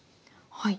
はい。